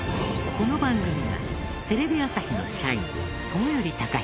この番組はテレビ朝日の社員友寄隆英